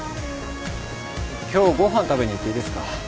今日ご飯食べに行っていいですか？